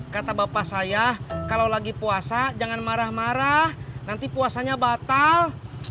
kata bapak saya kalau lagi puasa jangan marah marah nanti puasanya batal